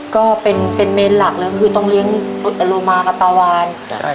ก็เป็นเป็นเมนหลักเลยก็คือต้องเลี้ยงรถอโลมากับปลาวาน